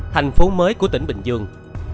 thành phố mới của tỉnh bình dương